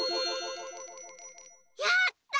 やった！